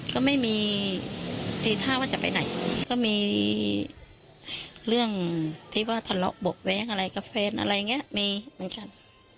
ก็ไม่มีตีท่าว่าจะไปไหนก็มีเรื่องที่ว่าทะเลาะเบาะแว้งอะไรกับแฟนอะไรอย่างนี้มีเหมือนกัน